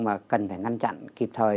mà cần phải ngăn chặn kịp thời